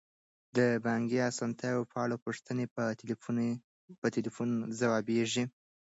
د بانکي اسانتیاوو په اړه پوښتنې په تلیفون ځوابیږي.